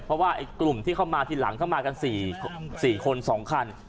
เพราะว่ากลุ่มที่เข้ามาทีหลังเข้ามากัน๔คน๒คัน